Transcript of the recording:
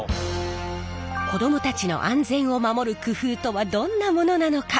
子どもたちの安全を守る工夫とはどんなものなのか？